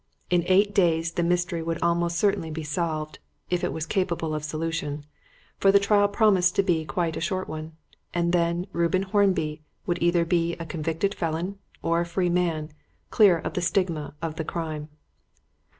In eight days the mystery would almost certainly be solved (if it was capable of solution), for the trial promised to be quite a short one, and then Reuben Hornby would be either a convicted felon or a free man, clear of the stigma of the crime.